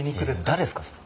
誰っすかそれ。